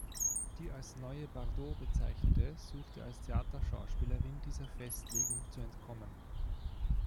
Die als „neue Bardot“ Bezeichnete suchte als Theaterschauspielerin dieser Festlegung zu entkommen.